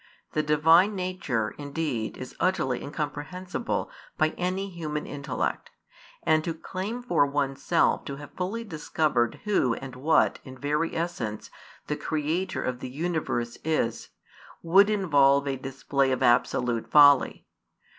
The Divine Nature, indeed, is utterly incomprehensible by any human intellect; and to claim for oneself to have fully discovered Who and What in very essence the Creator of the universe is, would involve a display of absolute folly.